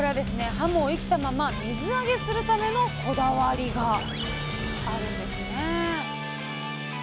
はもを生きたまま水揚げするためのこだわりがあるんですね